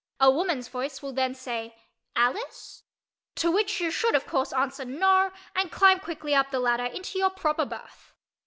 A woman's voice will then say "Alice?" to which you should of course answer "No" and climb quickly up the ladder into your proper berth.